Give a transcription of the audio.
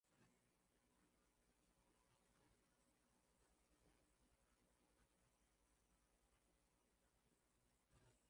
zilichangia yeye kupewa tuzo ya amani ya Nobel mwaka wa themanini na nne Na